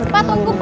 pa tunggu pa